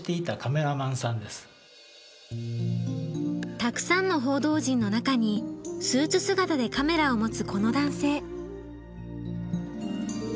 たくさんの報道陣の中にスーツ姿でカメラを持つこの男性。